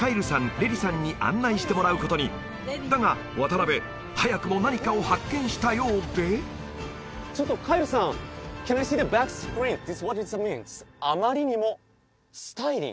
レリさんに案内してもらうことにだが渡部早くも何かを発見したようでちょっとカイルさん「あまりにもスタイリン」？